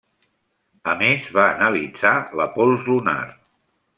A més va analitzar la pols lunar.